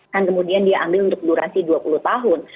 dan kemudian dia ambil untuk durasi dua puluh tahun